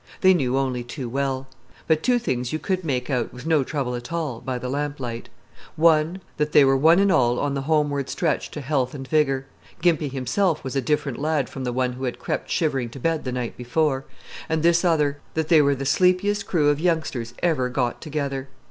They knew only too well. But two things you could make out, with no trouble at all, by the lamplight: one, that they were one and all on the homeward stretch to health and vigor Gimpy himself was a different lad from the one who had crept shivering to bed the night before; and this other, that they were the sleepiest crew of youngsters ever got together.